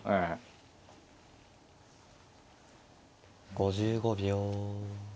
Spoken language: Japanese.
５５秒。